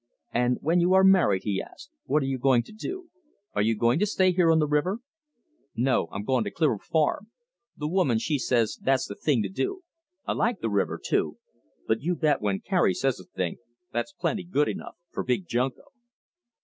"And when you are married," he asked, "what are you going to do? Are you going to stay on the river?" "No, I'm goin' to clear a farm. The woman she says that's the thing to do. I like the river, too. But you bet when Carrie says a thing, that's plenty good enough for Big Junko."